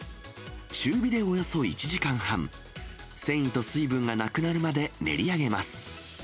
中火でおよそ１時間半、繊維と水分がなくなるまで練り上げます。